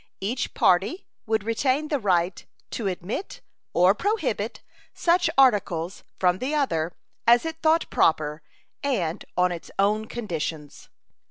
Each party would retain the right to admit or prohibit such articles from the other as it thought proper, and on its own conditions.